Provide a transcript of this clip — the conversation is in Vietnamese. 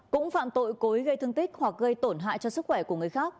cũng phạm tội cối gây thương tích hoặc gây tổn hại cho sức khỏe của người khác